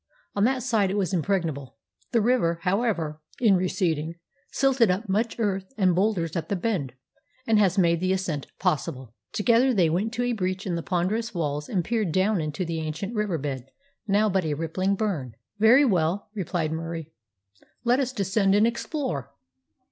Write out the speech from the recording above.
On that side it was impregnable. The river, however, in receding, silted up much earth and boulders at the bend, and has made the ascent possible." Together they went to a breach in the ponderous walls and peered down into the ancient river bed, now but a rippling burn. "Very well," replied Murie, "let us descend and explore."